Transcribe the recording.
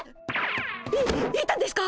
い行ったんですか！？